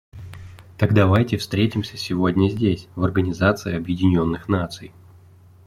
Так давайте встретимся сегодня здесь, в Организации Объединенных Наций.